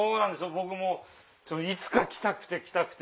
僕もいつか来たくて来たくて。